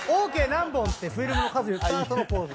何本ってフィルムの数言った後のポーズの顔。